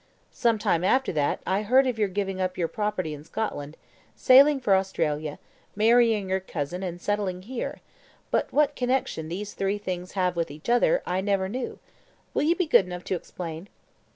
Some time after that, I heard of your giving up your property in Scotland, sailing for Australia, marrying your cousin, and settling here; but what connection these three things have with each other, I never knew. Will you be good enough to explain?"